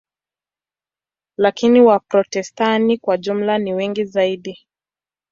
Lakini Waprotestanti kwa jumla ni wengi zaidi.